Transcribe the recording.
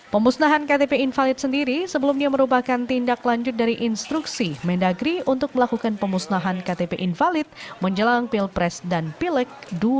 pemusnahan ktp invalid sendiri sebelumnya merupakan tindak lanjut dari instruksi mendagri untuk melakukan pemusnahan ktp invalid menjelang pilpres dan pilek dua ribu sembilan belas